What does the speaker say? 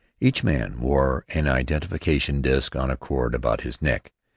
Each man wore an identification disk on a cord about his neck.